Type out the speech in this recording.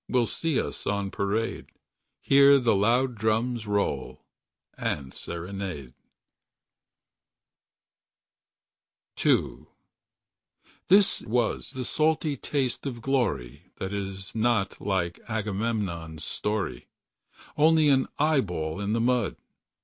Will see us on parade. Hear the loud drums roll— And serenade. II. This was the salty taste of glory This was the salty taste of glory. That it was not Like Agamemnon's story. Only, an eyeball in the mud.